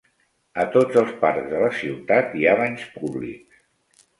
A tots els parcs de la ciutat hi ha banys públics.